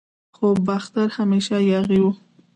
خو باختر همیشه یاغي و